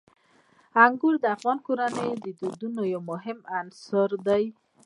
انګور د افغان کورنیو د دودونو یو مهم عنصر دی.